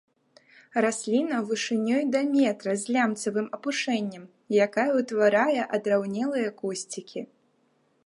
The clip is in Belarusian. Расліна вышынёй да метра з лямцавым апушэннем, якая ўтварае адраўнелыя кусцікі.